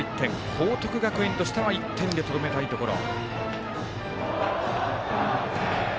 報徳学園としては１点でとどめたいところ。